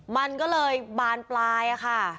มันก็เลยบานปลายค่ะ